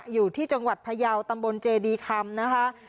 อยู่ที่จังหวัดพยาวตำบลเจดีคำนะคะ